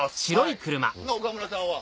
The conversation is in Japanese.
岡村さんは？